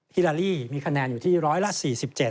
ฮิลาลีมีคะแนนอยู่ที่ร้อยละ๔๗